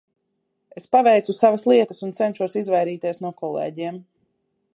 Es paveicu savas lietas un cenšos izvairīties no kolēģiem.